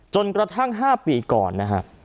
กระทั่ง๕ปีก่อนนะฮะ